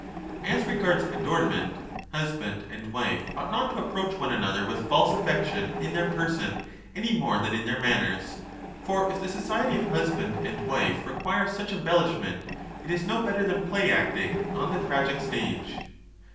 As regards adornment, husband and wife ought not to approach one another with false affccta 20 tion in their person any more than in their manners ; for if the society of husband and wife requires such embellishment, it is no better than play acting on the tragic stage.